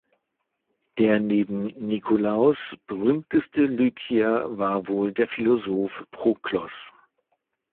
Der neben Nikolaus berühmteste Lykier war wohl der Philosoph Proklos.